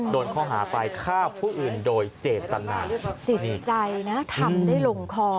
โดนข้อหาไปฆ่าผู้อื่นโดยเจตนาจิตใจนะทำได้ลงคอ